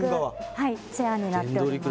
はいチェアになっております